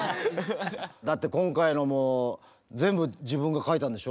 だって今回のも全部自分が書いたんでしょ？